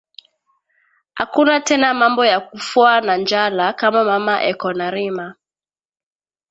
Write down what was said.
Akuna tena mambo ya kufwa na njala kama mama eko na rima